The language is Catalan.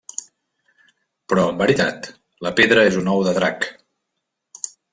Però en veritat, la pedra és un ou de drac.